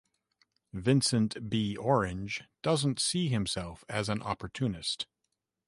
Vincent B. Orange doesn't see himself as an opportunist.